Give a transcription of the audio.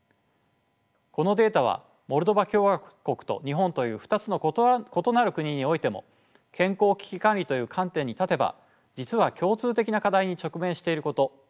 このデータはモルドバ共和国と日本という２つの異なる国においても健康危機管理という観点に立てば実は共通的な課題に直面していること